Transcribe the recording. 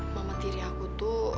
mama tiri aku tuh